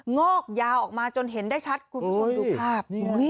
งอกยาวออกมาจนเห็นได้ชัดคุณผู้ชมดูภาพ